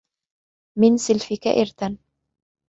مَنْ سَلَفِك إرْثًا